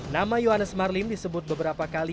nama yohannes marlim disebut beberapa kali